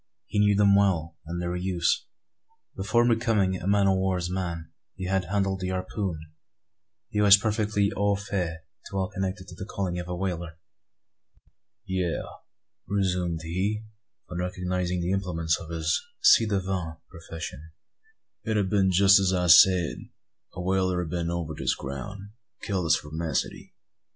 He knew them well, and their use. Before becoming a man o' war's man, he had handled the harpoon; and was perfectly au fait to all connected with the calling of a whaler. "Yes," resumed he, on recognising the implements of his ci devant profession, "it ha' been jest as I said. A whaler 'a been over this ground, and killed the spermacety.